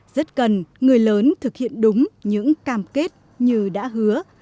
rất cần người lớn thực hiện đúng những cam kết như đã hứa